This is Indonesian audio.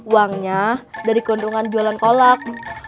uangnya dari keuntungan jualan kolak